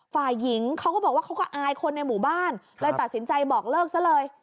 ฝ่ายหญิงเขาก็บอกว่าเขาก็อายคนในหมู่บ้านเลยตัดสินใจบอกเลิกซะเลย